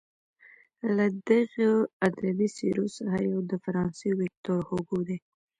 له دغو ادبي څیرو څخه یو د فرانسې ویکتور هوګو دی.